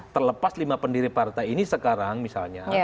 terlepas lima pendiri partai ini sekarang misalnya